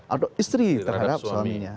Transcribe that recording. atau istri terhadap suaminya